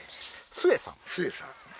スエさん